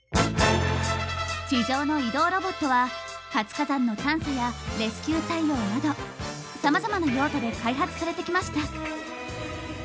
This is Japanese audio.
地上の移動ロボットは活火山の探査やレスキュー対応などさまざまな用途で開発されてきました。